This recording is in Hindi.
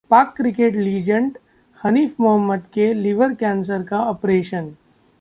पाक क्रिकेट लीजेंड हनीफ मोहम्मद के लिवर कैंसर का ऑपरेशन